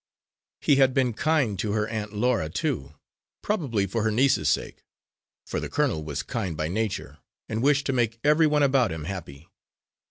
He had been kind to her Aunt Laura, too, probably for her niece's sake; for the colonel was kind by nature, and wished to make everyone about him happy.